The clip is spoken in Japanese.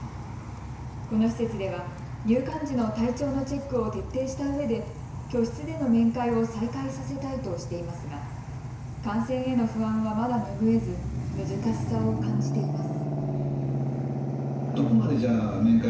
この施設では入館時の体調のチェックを徹底したうえで居室での面会を再開させたいとしていますが感染への不安はまだ拭えず難しさを感じています。